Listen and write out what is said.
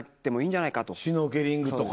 シュノーケリングとか。